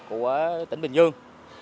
của tỉnh bình dương